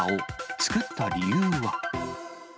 作った理由は？